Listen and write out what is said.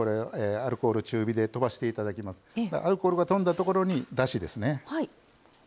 アルコールがとんだところにだしですね。